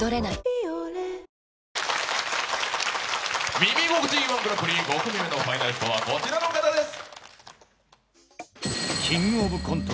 「耳心地いい−１グランプリ」５組目のファイナリストはこちらの方です。